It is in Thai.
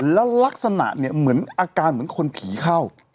แล้วลักษณะเนี่ยเหมือนอาการเหมือนคนผีเข้า